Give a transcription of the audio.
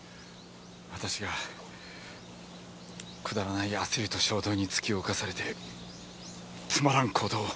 私がくだらない焦りと衝動に突き動かされてつまらん行動を！